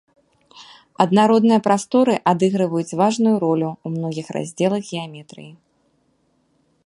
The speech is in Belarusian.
Аднародныя прасторы адыгрываюць важную ролю ў многіх раздзелах геаметрыі.